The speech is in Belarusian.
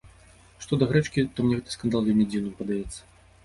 Што да грэчкі, то мне гэты скандал вельмі дзіўным падаецца.